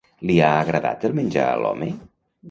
Li ha agradat el menjar a l'home?